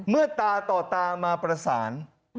เมื่อตาต่อตามาประสาน